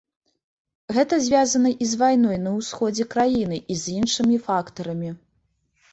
Гэта звязана і з вайной на ўсходзе краіны, і з іншымі фактарамі.